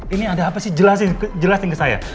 ini ada apa sih jelasin ke saya